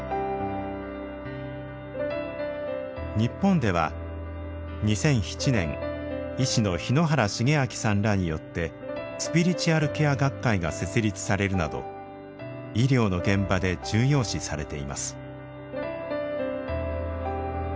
日本では２００７年医師の日野原重明さんらによってスピリチュアルケア学会が設立されるなど医療の現場で重要視されています。